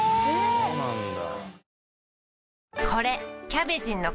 そうなんだ